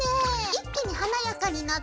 一気に華やかになったねぇ！